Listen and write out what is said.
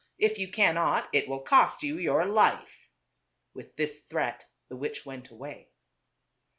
If you cannot, it will cost you your life." With this threat the witch went away.